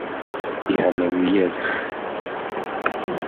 Ihane wiyeze